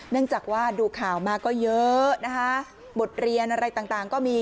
เนื่องจากว่าดูข่าวมาก็เยอะนะคะบทเรียนอะไรต่างก็มี